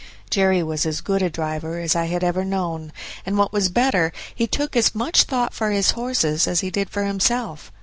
Jerry was as good a driver as I had ever known, and what was better, he took as much thought for his horses as he did for himself.